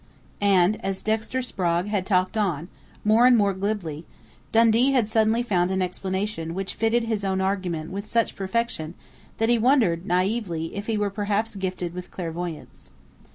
And as Dexter Sprague had talked on, more and more glibly, Dundee had suddenly found an explanation which fitted his own argument with such perfection that he wondered, naïvely, if he were perhaps gifted with clairvoyance.